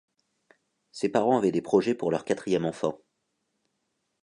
Ses parents avaient des projets pour leur quatrième enfant.